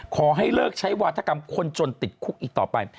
ขอให้เลิกใช้วาธกรรมคนจนติดคุกอีกต่อไป